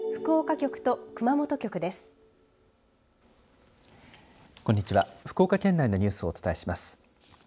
福岡県内のニュースをお伝えします。